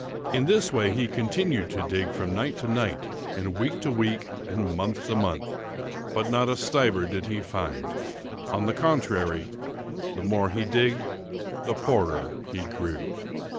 In this way he continued to dig from night to night, and week to week, and month to month, but not a stiver ^ did he find. On the contrary, the more he digged the poorer he grew.